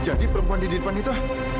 jadi perempuan di depan itu